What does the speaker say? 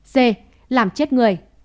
c làm chết người